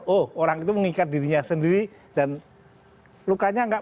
oh orang itu mengikat dirinya sendiri dan lukanya enggak